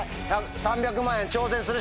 ３００万円挑戦する？